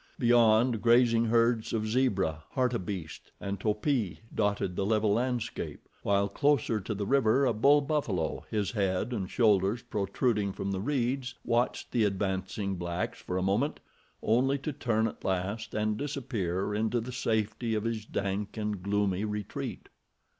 Beyond, grazing herds of zebra, hartebeest, and topi dotted the level landscape, while closer to the river a bull buffalo, his head and shoulders protruding from the reeds watched the advancing blacks for a moment, only to turn at last and disappear into the safety of his dank and gloomy retreat.